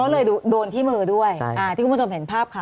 ก็เลยโดนที่มือด้วยที่คุณผู้ชมเห็นภาพค่ะ